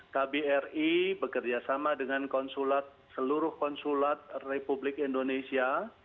kbri bekerjasama dengan konsulat seluruh konsulat republik indonesia